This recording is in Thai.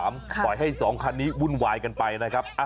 ปล่อยให้๒คันนี้วุ่นวายกันไปนะครับ